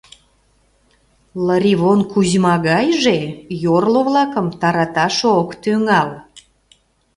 Лыривон Кузьма гайже йорло-влакым тараташ ок тӱҥал.